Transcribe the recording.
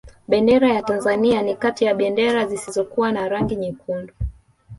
bendera ya tanzania ni kati ya bendera zisizokuwa na rangi nyekundu